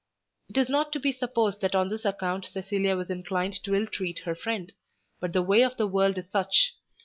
It is not to be supposed that on this account Cecilia was inclined to ill treat her friend; but the way of the world is such.